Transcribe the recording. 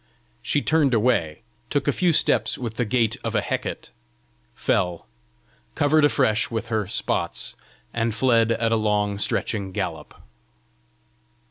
She turned away, took a few steps with the gait of a Hecate, fell, covered afresh with her spots, and fled at a long, stretching gallop.